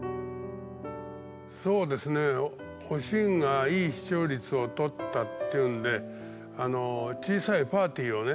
そうですね「おしん」がいい視聴率を取ったっていうんで小さいパーティーをね